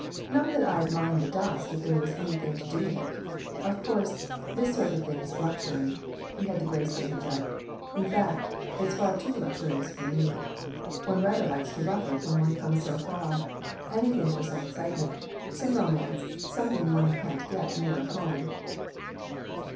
Not that I'd mind the dust if there was anything to do in it. Of course this sort of thing's luxury," he had the grace to interject; "in fact, it's far too luxurious for me. One rather likes to rough it when one comes so far. Anything for some excitement, some romance, something one can't get nearer home!"